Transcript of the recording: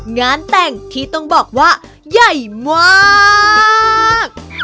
งานแต่งที่ต้องบอกว่าใหญ่มาก